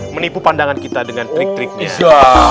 menipu pandangan kita dengan trik triknya